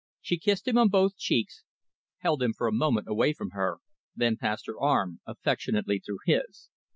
She kissed him on both cheeks, held him for a moment away from her, then passed her arm affectionately through his.